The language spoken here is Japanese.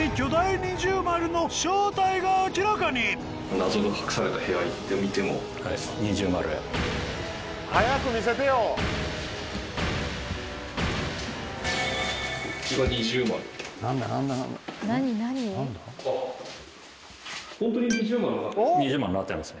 二重丸になってますね。